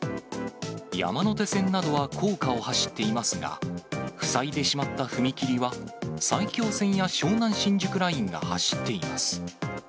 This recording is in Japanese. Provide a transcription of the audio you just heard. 山手線などは高架を走っていますが、塞いでしまった踏切は、埼京線や湘南新宿ラインが走っています。